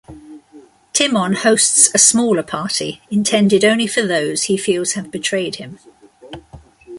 Timon hosts a smaller party, intended only for those he feels have betrayed him.